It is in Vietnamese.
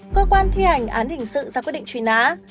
cơ quan thi hành án hình sự ra quyết định trùy ná